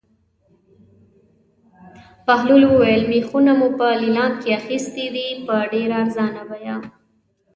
بهلول وویل: مېخونه مو په لېلام کې اخیستي دي په ډېره ارزانه بیه.